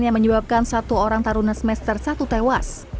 yang menyebabkan satu orang taruh nafas semester satu tewas